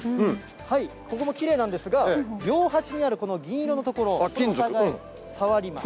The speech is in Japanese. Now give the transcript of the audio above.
ここもきれいなんですが、両端にあるこの銀色の所、これを触ります。